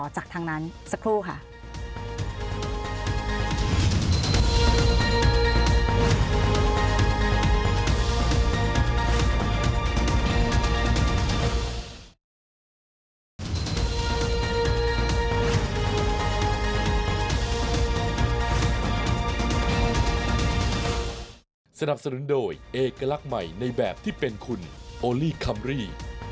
สนับสนุนโดยเอกลักษณ์ใหม่ในแบบที่เป็นคุณโอลีคัมรี